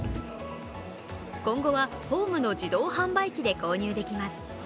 今後は、ホームの自動販売機で購入できます。